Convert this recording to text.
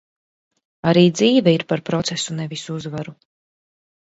Arī dzīve ir par procesu, nevis uzvaru.